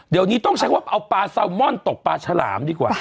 เดี๋ยวนี้ต้องใช้คำว่าเอาปลาซาวมอนตกปลาฉลามดีกว่า